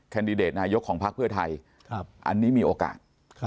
แดดิเดตนายกของพักเพื่อไทยอันนี้มีโอกาส